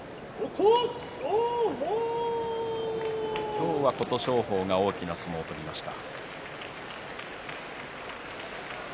今日は琴勝峰が大きな相撲を取りました。